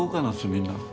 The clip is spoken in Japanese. みんな。